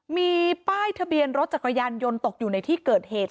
มีป้ายทะเบียนรถจักรยานยนต์ตกอยู่ในที่เกิดเหตุ